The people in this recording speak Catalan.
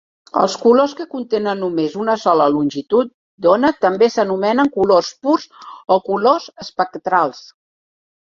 Els colors que contenen només una sola longitud d'ona també s'anomenen colors purs o colors espectrals.